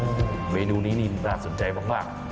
โอ้เมนูนี้น่าสนใจมาก